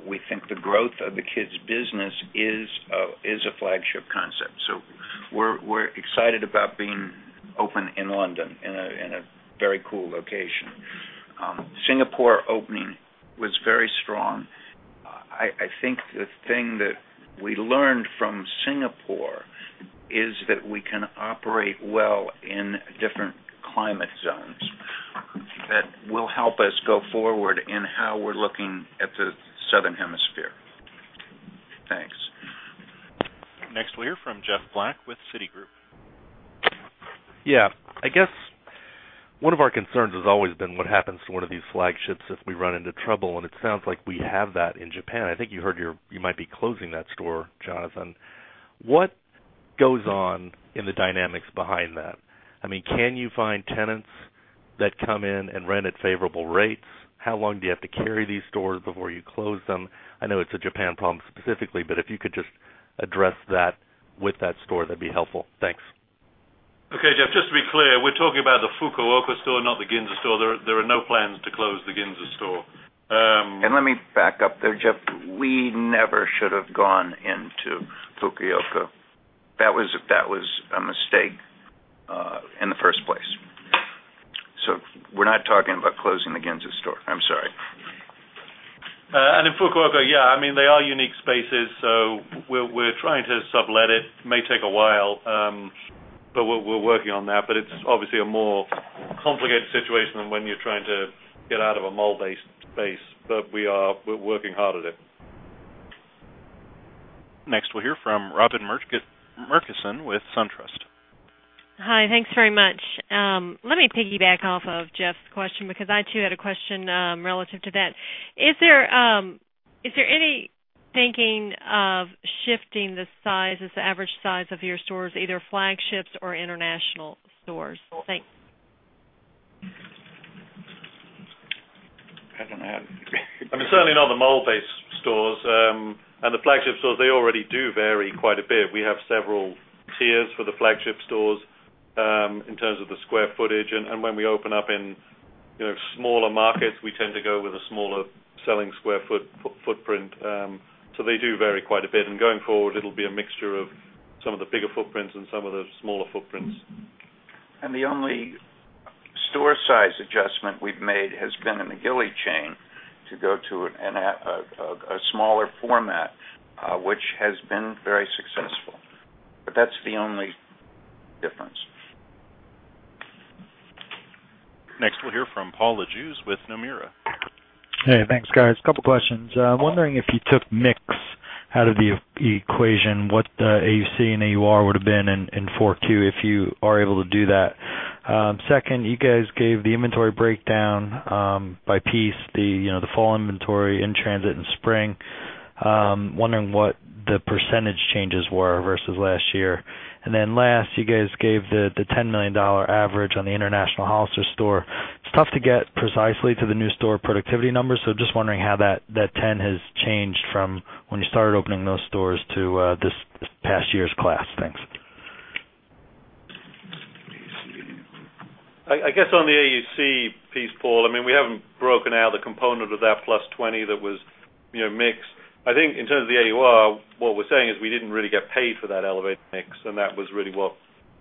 S3: We think the growth of the kids' business is a flagship concept. We are excited about being open in London in a very cool location. Singapore opening was very strong. I think the thing that we learned from Singapore is that we can operate well in different climate zones. That will help us go forward in how we're looking at the Southern Hemisphere. Thanks.
S1: Next, we'll hear from Jeff Black with Citigroup.
S19: Yeah. I guess one of our concerns has always been what happens to one of these flagships if we run into trouble, and it sounds like we have that in Japan. I think I heard you might be closing that store, Jonathan. What goes on in the dynamics behind that? I mean, can you find tenants that come in and rent at favorable rates? How long do you have to carry these stores before you close them? I know it's a Japan problem specifically, but if you could just address that with that store, that'd be helpful. Thanks.
S4: Okay, Jeff, just to be clear, we're talking about the Fukuoka store, not the Ginza store. There are no plans to close the Ginza store.
S3: Let me back up there, Jeff. We never should have gone into Fukuoka. That was a mistake in the first place. We're not talking about closing the Ginza store. I'm sorry.
S4: In Fukuoka, yeah, I mean, they are unique spaces, so we're trying to sublet it. It may take a while, but we're working on that. It's obviously a more complicated situation than when you're trying to get out of a mall-based space, but we're working hard at it.
S1: Next, we'll hear from Robin Murchison with SunTrust.
S20: Hi, thanks very much. Let me piggyback off of Jeff's question because I too had a question relative to that. Is there any thinking of shifting the size, the average size of your stores, either flagships or international stores? Thanks.
S4: I mean, certainly not the mall-based stores. The flagship stores already do vary quite a bit. We have several tiers for the flagship stores in terms of the square footage. When we open up in smaller markets, we tend to go with a smaller selling square footprint. They do vary quite a bit. Going forward, it'll be a mixture of some of the bigger footprints and some of the smaller footprints.
S3: The only store size adjustment we've made has been in the Gilly chain to go to a smaller format, which has been very successful. That's the only difference.
S1: Next, we'll hear from Paul Lejuez with Nomura.
S21: Hey, thanks, guys. A couple of questions. I'm wondering if you took mix out of the equation, what the AUC and AUR would have been in Q4 if you are able to do that. Second, you guys gave the inventory breakdown by piece, the fall inventory in transit in spring. Wondering what the % changes were versus last year. Last, you guys gave the $10 million average on the international Hollister store. It's tough to get precisely to the new store productivity numbers, so just wondering how that $10 million has changed from when you started opening those stores to this past year's class. Thanks.
S4: I guess on the AUC piece, Paul, we haven't broken out the component of that plus 20 that was, you know, mix. I think in terms of the AUR, what we're saying is we didn't really get paid for that elevated mix, and that was really what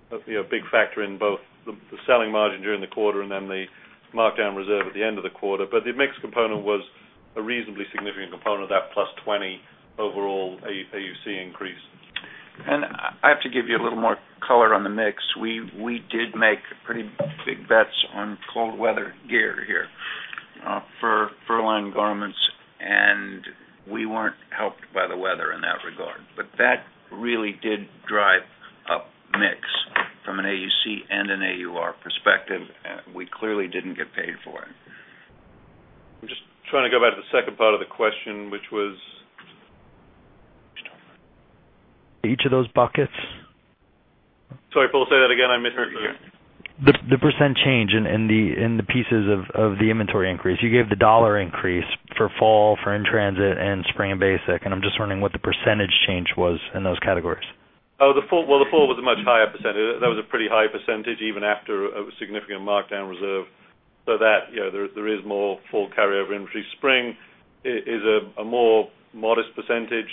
S4: a big factor in both the selling margin during the quarter and then the markdown reserve at the end of the quarter. The mix component was a reasonably significant component of that plus 20 overall AUC increase.
S3: I have to give you a little more color on the mix. We did make pretty big bets on cold weather gear here for furline garments, and we were not helped by the weather in that regard. That really did drive up mix from an AUC and an AUR perspective, and we clearly did not get paid for it.
S4: I'm just trying to go back to the second part of the question, which was.
S21: Each of those buckets?
S4: Sorry, Paul, say that again. I missed it.
S21: The percent change in the pieces of the inventory increase. You gave the dollar increase for fall, for in transit, and spring basic, and I'm just wondering what the percentage change was in those categories.
S4: Oh, the fall was a much higher percentage That was a pretty high percentage even after a significant markdown reserve. There is more full carryover increase. Spring is a more modest percentage.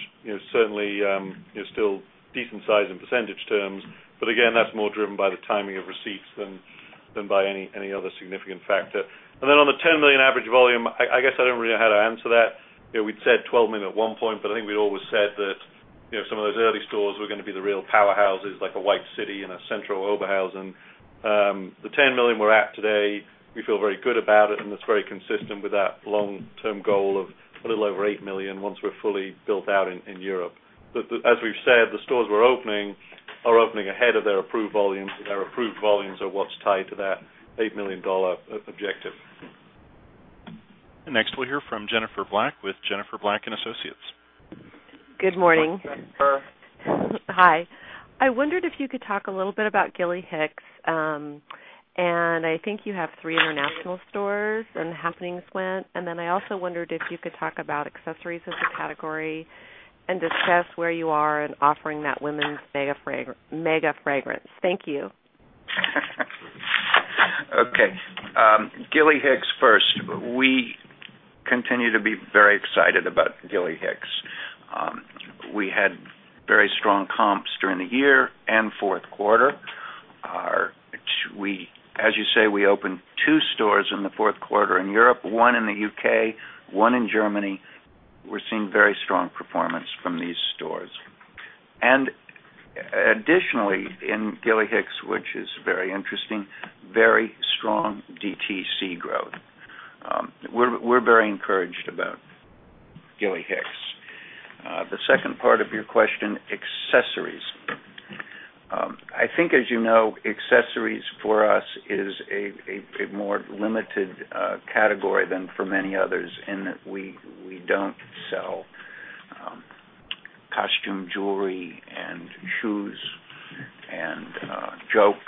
S4: Certainly, you're still decent size in percentage terms. Again, that's more driven by the timing of receipts than by any other significant factor. On the $10 million average volume, I guess I don't really know how to answer that. We'd said $12 million at one point, but I think we'd always said that some of those early stores were going to be the real powerhouses like a White City and a Central Oberhaus. The $10 million we're at today, we feel very good about it, and it's very consistent with that long-term goal of a little over $8 million once we're fully built out in Europe. As we've said, the stores we're opening are opening ahead of their approved volumes. Our approved volumes are what's tied to that $8 million objective.
S1: Next, we'll hear from Jennifer Black with Jennifer Black & Associates.
S22: Good morning.
S4: Hi.
S22: Hi. I wondered if you could talk a little bit about Gilly Hicks, and I think you have three international stores and how things went. I also wondered if you could talk about accessories as a category and discuss where you are in offering that women's mega fragrance. Thank you.
S3: Okay. Gilly Hicks first. We continue to be very excited about Gilly Hicks. We had very strong comps during the year and fourth quarter. As you say, we opened two stores in the fourth quarter in Europe, one in the U.K., one in Germany. We're seeing very strong performance from these stores. Additionally, in Gilly Hicks, which is very interesting, very strong DTC growth. We're very encouraged about Gilly Hicks. The second part of your question, accessories. I think, as you know, accessories for us is a more limited category than for many others in that we don't sell costume jewelry and shoes and jokes.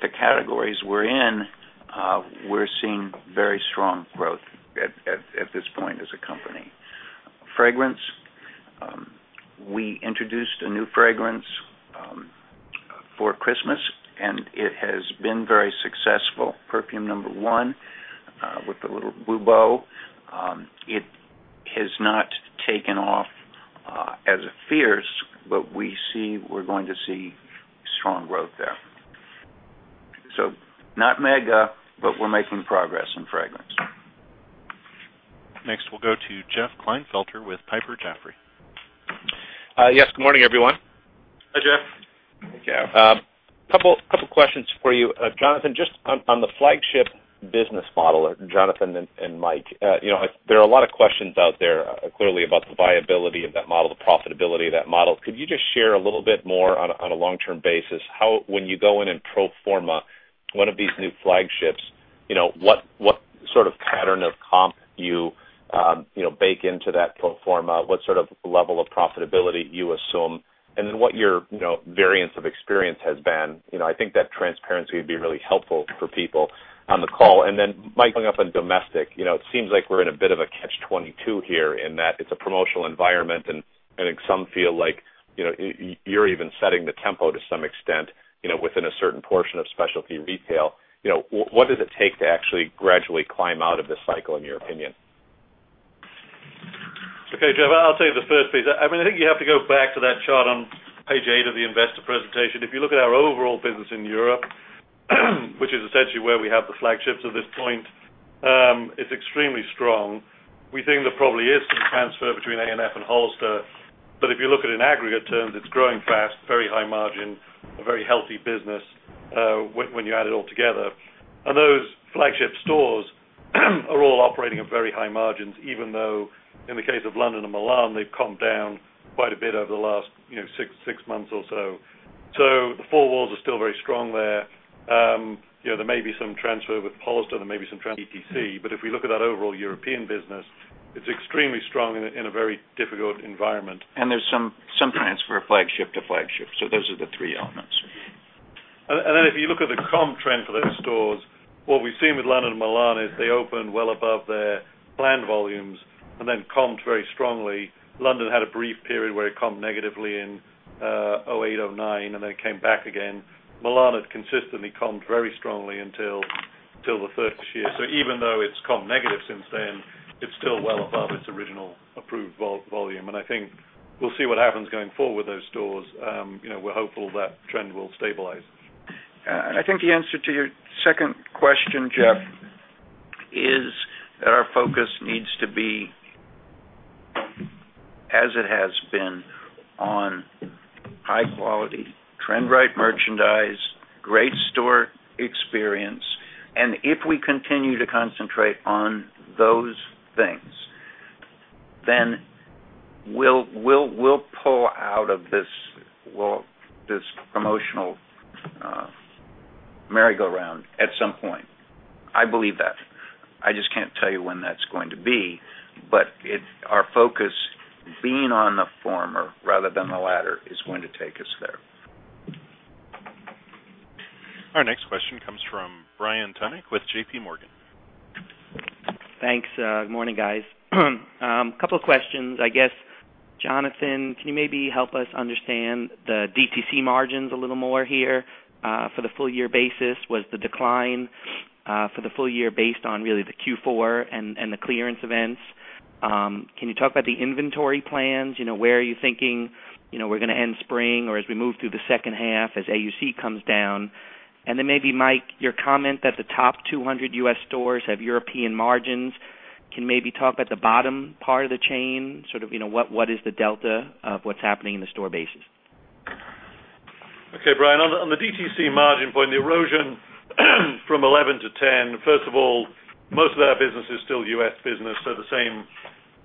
S3: The categories we're in, we're seeing very strong growth at this point as a company. Fragrance, we introduced a new fragrance for Christmas, and it has been very successful, perfume number one, with the little bubo. It has not taken off as a Fierce, but we see we're going to see strong growth there. Not mega, but we're making progress in fragrance.
S1: Next, we'll go to Jeff Kleinfelter with Piper Jaffray.
S23: Yes, good morning, everyone.
S4: Hi, Jeff.
S3: Hey, Jeff.
S23: A couple of questions for you. Jonathan, just on the flagship business model, Jonathan and Mike, you know, there are a lot of questions out there clearly about the viability of that model, the profitability of that model. Could you just share a little bit more on a long-term basis? When you go in and pro forma one of these new flagships, you know, what sort of pattern of comp you bake into that pro forma, what sort of level of profitability you assume, and then what your variance of experience has been. I think that transparency would be really helpful for people on the call. Mike, coming up on domestic, it seems like we're in a bit of a catch-22 here in that it's a promotional environment, and I think some feel like, you know, you're even setting the tempo to some extent, you know, within a certain portion of specialty retail. What does it take to actually gradually climb out of this cycle, in your opinion?
S4: Okay, Jeff, I'll tell you the first piece. I mean, I think you have to go back to that chart on page eight of the investor presentation. If you look at our overall business in Europe, which is essentially where we have the flagships at this point, it's extremely strong. We think there probably is some transfer between A&F and Hollister, but if you look at it in aggregate terms, it's growing fast, very high margin, a very healthy business when you add it all together. Those flagship stores are all operating at very high margins, even though in the case of London and Milan, they've come down quite a bit over the last six months or so. The four walls are still very strong there. There may be some transfer with Hollister, there may be some DTC, but if we look at that overall European business, it's extremely strong in a very difficult environment.
S3: There is some transfer flagship to flagship. Those are the three elements.
S4: If you look at the comp trend for those stores, what we've seen with London and Milan is they opened well above their planned volumes and then comped very strongly. London had a brief period where it comped negatively in 2008, 2009, and then it came back again. Milan had consistently comped very strongly until the first year. Even though it's comped negative since then, it's still well above its original approved volume. I think we'll see what happens going forward with those stores. We're hopeful that trend will stabilize.
S3: I think the answer to your second question, Jeff, is that our focus needs to be, as it has been, on high-quality trend-right merchandise and great store experience. If we continue to concentrate on those things, we will pull out of this promotional merry-go-round at some point. I believe that. I just can't tell you when that's going to be, but our focus, being on the former rather than the latter, is going to take us there.
S1: Our next question comes from Brian Tunick with JPMorgan.
S24: Thanks. Good morning, guys. A couple of questions. I guess, Jonathan, can you maybe help us understand the DTC margins a little more here for the full-year basis? Was the decline for the full year based on really the Q4 and the clearance events? Can you talk about the inventory plans? Where are you thinking we're going to end spring or as we move through the second half as AUC comes down? Maybe, Mike, your comment that the top 200 U.S. stores have European margins. Can you maybe talk about the bottom part of the chain, sort of, what is the delta of what's happening in the store basis?
S4: Okay, Brian. On the DTC margin point, the erosion from 2011-2010, first of all, most of our business is still U.S. business. The same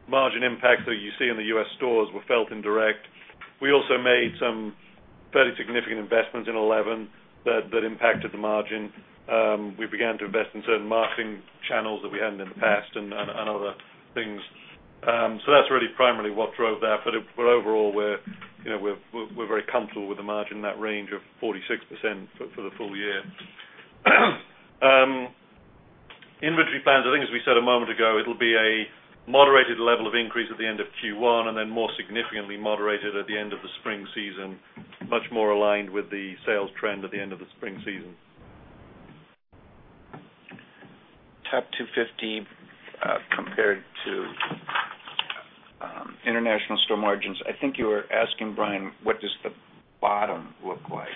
S4: margin impacts that you see in the U.S. stores were felt in direct. We also made some fairly significant investments in 2011 that impacted the margin. We began to invest in certain marketing channels that we hadn't in the past and other things. That is really primarily what drove that. Overall, we're very comfortable with the margin in that range of 46% for the full year. Inventory plans, I think, as we said a moment ago, it'll be a moderated level of increase at the end of Q1 and then more significantly moderated at the end of the spring season, much more aligned with the sales trend at the end of the spring season.
S3: Top 250 compared to international store margins. I think you were asking, Brian, what does the bottom look like?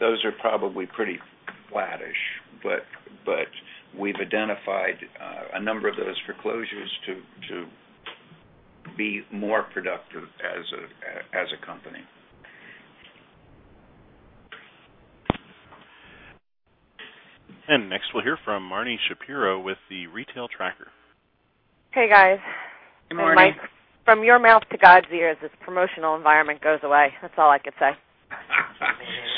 S3: Those are probably pretty flat-ish, but we've identified a number of those foreclosures to be more productive as a company.
S1: Next, we'll hear from Marni Shapiro with The Retail Tracker.
S25: Hey, guys.
S4: Hey, Marni,.
S25: From your mouth to God's ears, this promotional environment goes away. That's all I could say.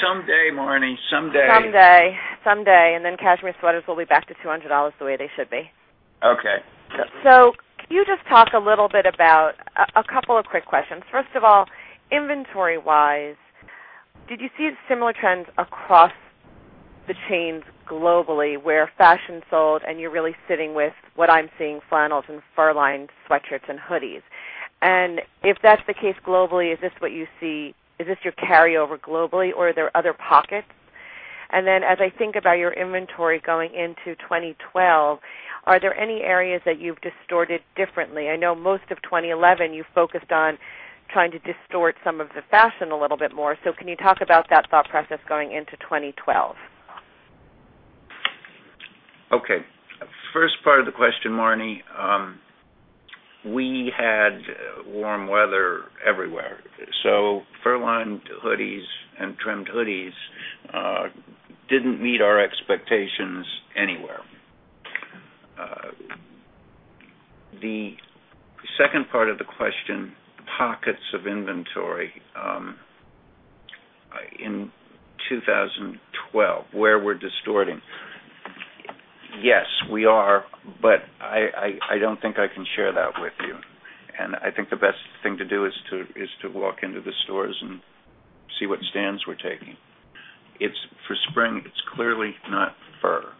S4: Someday, Marni, someday.
S25: Someday, someday. Cashmere sweaters will be back to $200 the way they should be.
S4: Okay.
S25: Could you talk a little bit about a couple of quick questions. First of all, inventory-wise, did you see similar trends across the chains globally where fashion sold and you're really sitting with what I'm seeing, flannels and fur-lined sweatshirts and hoodies? If that's the case globally, is this what you see? Is this your carryover globally, or are there other pockets? As I think about your inventory going into 2012, are there any areas that you've distorted differently? I know most of 2011 you focused on trying to distort some of the fashion a little bit more. Could you talk about that thought process going into 2012?
S3: Okay. First part of the question, Marni, we had warm weather everywhere. Fur-lined hoodies and trimmed hoodies didn't meet our expectations anywhere. The second part of the question, pockets of inventory in 2012, where we're distorting? Yes, we are, but I don't think I can share that with you. I think the best thing to do is to walk into the stores and see what stands we're taking. It's for spring. It's clearly not for fur.